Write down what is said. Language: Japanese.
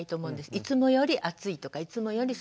いつもより暑いとかいつもより涼しいとかね。